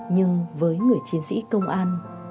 nhưng với người chiến sĩ công an